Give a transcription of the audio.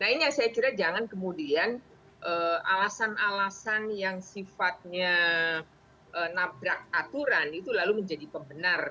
nah ini yang saya kira jangan kemudian alasan alasan yang sifatnya nabrak aturan itu lalu menjadi pembenar